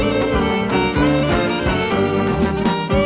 สวัสดีครับ